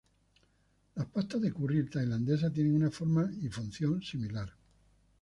Las pastas de "curry" tailandesas tienen una forma y función similar.